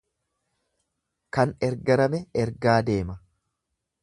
Kan ergarame ergaa deema.